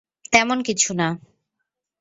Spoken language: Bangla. তেমন কিছু না।